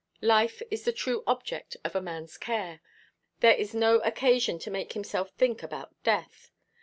Life is the true object of a man's care: there is no occasion to make himself think about death.